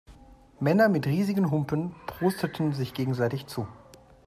Männer mit riesigen Humpen prosteten sich gegenseitig zu.